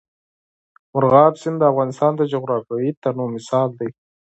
مورغاب سیند د افغانستان د جغرافیوي تنوع مثال دی.